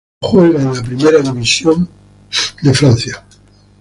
Juega en la Primera División de Arabia Saudita.